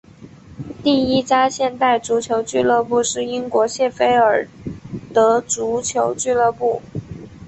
第一家现代足球俱乐部是英国谢菲尔德足球俱乐部。